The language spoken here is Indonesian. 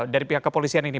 dari pihak kepolisian ini